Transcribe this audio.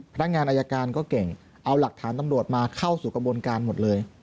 พนักงานอายการก็เก่งเอาหลักฐานตำรวจมาเข้าสู่กระบวนการหมดเลย